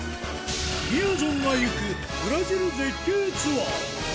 みやぞんが行くブラジル絶景ツアー。